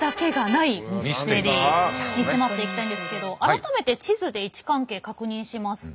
に迫っていきたいんですけど改めて地図で位置関係確認しますと。